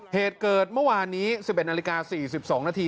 เหตุเกิดเมื่อวานนี้๑๑นาฬิกา๔๒นาที